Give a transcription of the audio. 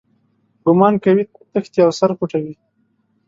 ګومان کوي تښتي او سر پټوي.